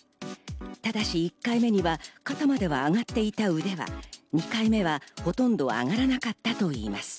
ただし１回目には肩までは上がっていた腕が、２回目はほとんど上がらなかったといいます。